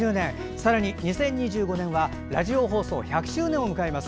さらに２０２５年はラジオ放送１００周年を迎えます。